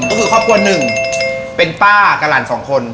ก็คือครอบครัวหนึ่งเป็นป้ากับหลานสองคน